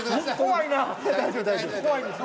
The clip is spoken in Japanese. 怖いです。